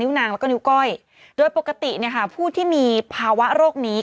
นางแล้วก็นิ้วก้อยโดยปกติเนี่ยค่ะผู้ที่มีภาวะโรคนี้